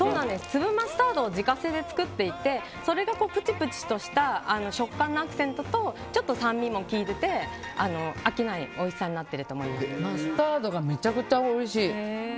粒マスタードを自家製で作っていてそれがプチプチとした食感のアクセントとちょっと酸味も利いてて飽きないおいしさになっているとマスタードがめちゃくちゃおいしい。